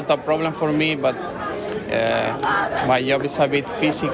tapi pekerjaan saya agak fisik